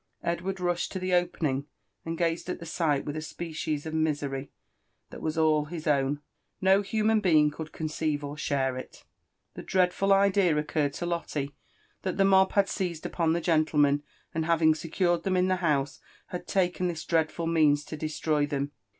Edward rushed to the opening, and gazed at the sight with a species of misery that was all his own— no hunian being could con ceive or share it. The dreadful idea occurred to Lotte, that the mob had seized upoa the gentlemen, and having secured them in the house, had taken this dreadful means to destroy them.